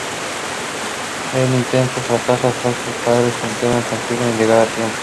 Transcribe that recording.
El intento fracasa porque sus padres se enteran y consiguen llegar a tiempo.